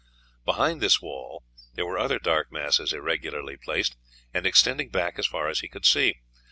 Behind this wall there were other dark masses irregularly placed, and extending back as far as he could see.